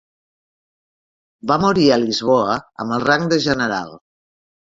Va morir a Lisboa amb el rang de general.